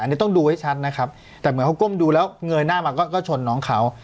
อันนี้ต้องดูให้ชัดนะครับแต่เหมือนเขาก้มดูแล้วเงยหน้ามาก็ชนน้องเขา